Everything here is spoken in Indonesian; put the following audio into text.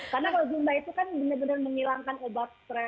karena kalau zumba itu kan benar benar menyilangkan obat stres